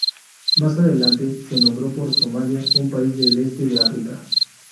Más adelante se nombró por Somalia, un país del este de África.